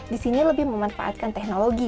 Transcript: di sini lebih memanfaatkan teknologi